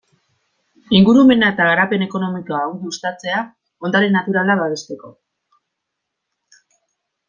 Ingurumena eta garapen ekonomikoa ongi uztatzea, ondare naturala babesteko.